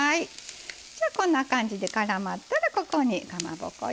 こんな感じでからまったらここにかまぼこ入れます。